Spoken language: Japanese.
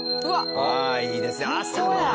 ああいいですね朝のね。